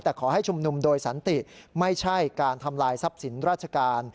แต่ขอให้ชุมนุมโดยสันติไม่ใช่การทำลายทรัพย์สินราชการ